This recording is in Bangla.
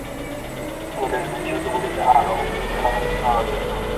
পরের বছরগুলিতে আরও উদাহরণ পাওয়া গেল।